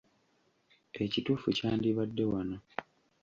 Ekituufu kyandibadde “wano.”